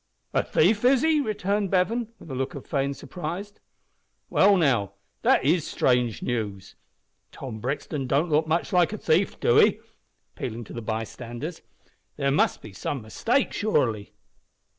"A thief, is he?" returned Bevan, with a look of feigned surprise. "Well, now, that is strange news. Tom Brixton don't look much like a thief, do he?" (appealing to the by standers). "There must be some mistake, surely."